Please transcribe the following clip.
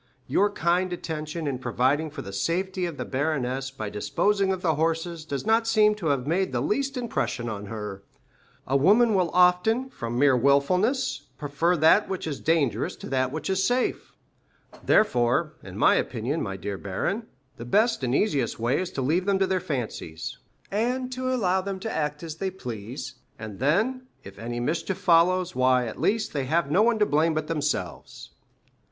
Your kind attention, in providing for the safety of the baroness by disposing of the horses, does not seem to have made the least impression on her. But so it is; a woman will often, from mere wilfulness, prefer that which is dangerous to that which is safe. Therefore, in my opinion, my dear baron, the best and easiest way is to leave them to their fancies, and allow them to act as they please, and then, if any mischief follows, why, at least, they have no one to blame but themselves."